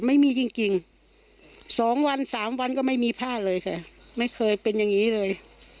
ไม่มีจริง๒วัน๓วันก็ไม่มีผ้าเลยค่ะไม่เคยเป็นอย่างนี้เลย